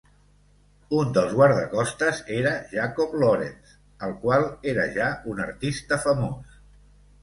Un dels guardacostes era Jacob Lawrence, el qual era ja un artista famós.